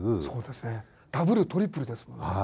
そうですねダブルトリプルですもんね。